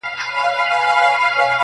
• جهاني دلته یو رنګي ده د کېمیا په بیه -